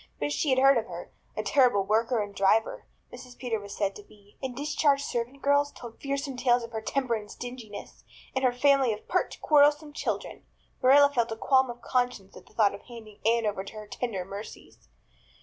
But she had heard of her. "A terrible worker and driver," Mrs. Peter was said to be; and discharged servant girls told fearsome tales of her temper and stinginess, and her family of pert, quarrelsome children. Marilla felt a qualm of conscience at the thought of handing Anne over to her tender mercies.